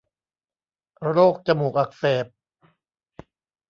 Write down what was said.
โรคจมูกอักเสบ